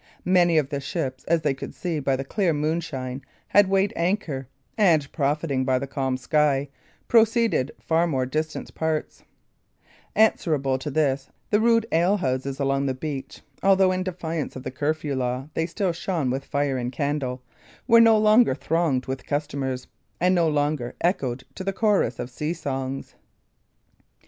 Many of the ships, as they could see by the clear moonshine, had weighed anchor, and, profiting by the calm sky, proceeded for more distant parts; answerably to this, the rude alehouses along the beach (although in defiance of the curfew law, they still shone with fire and candle) were no longer thronged with customers, and no longer echoed to the chorus of sea songs.